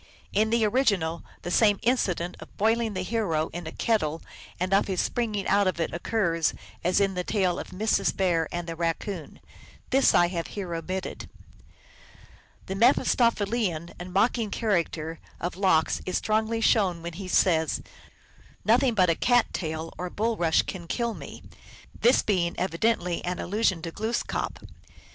In the original, the same incident of boiling the hero in a kettle and of his springing out of it occurs as in the tale of Mrs. Bear and the Raccoon. This I have here omitted. The Mephistophelian and mocking character of Lox is strongly shown when he says, " Nothing but a cat tail or bulrush can kill me," this being evidently an allusion to Glooskap.